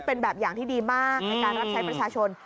เป็นแบบอย่างที่ดีมากในการรับใช้ประชาชน